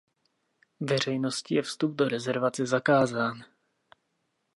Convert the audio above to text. Veřejnosti je vstup do rezervace zakázán.